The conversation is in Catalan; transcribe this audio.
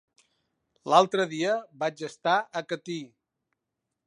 L'altre dia vaig estar a Catí.